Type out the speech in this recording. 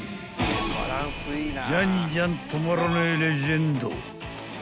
［じゃんじゃん止まらねえレジェンド］